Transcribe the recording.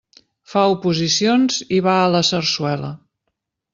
Fa oposicions i va a la sarsuela.